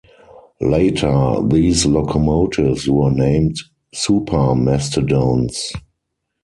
Later, these locomotives were named Super Mastodon's.